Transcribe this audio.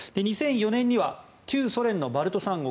２００４年には旧ソ連のバルト三国